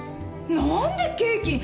何でケーキに！